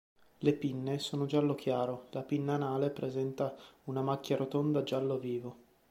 Le pinne sono giallo chiaro: la pinna anale presenta una macchia rotonda giallo vivo.